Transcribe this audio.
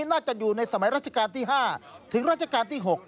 น่าจะอยู่ในสมัยราชการที่๕ถึงราชการที่๖